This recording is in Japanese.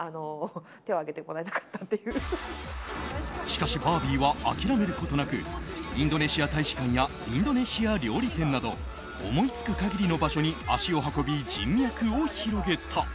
しかしバービーは諦めることなくインドネシア大使館やインドネシア料理店など思いつく限りの場所に足を運び人脈を広げた。